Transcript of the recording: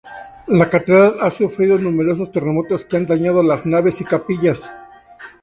La Catedral ha sufrido numerosos terremotos que han dañado las naves y capillas.